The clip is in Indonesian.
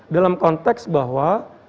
dalam konteks bahwa